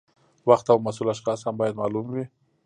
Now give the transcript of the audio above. وخت او مسؤل اشخاص هم باید معلوم وي.